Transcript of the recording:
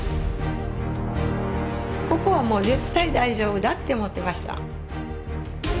ここはもう絶対大丈夫だって思ってました。